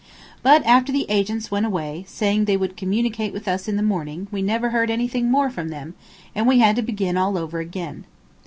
But after the agents went away, saying they would communicate with us in the morning, we never heard anything more from them, and we had to begin all over again.